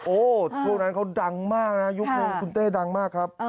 ช่วงนั้นเขาดังมากนะยุคนี้คุณเต้ดังมากครับ